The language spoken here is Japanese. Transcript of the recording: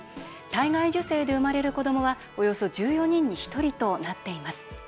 体外受精で生まれる子どもはおよそ１４人に１人となっています。